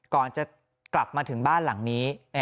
ก่อนจะกลับมาถึงบ้านหลังนี้